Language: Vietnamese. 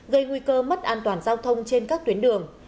gây nguy cơ mất an toàn giao thông trên các tuyến đường